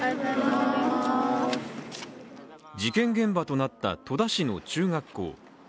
事件現場となった戸田市の中学校。